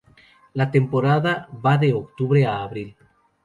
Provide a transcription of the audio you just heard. La temporada va de octubre a abril.